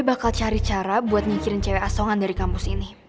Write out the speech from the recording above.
bakal cari cara buat nyicirin cewek asongan dari kampus ini